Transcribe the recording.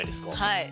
はい。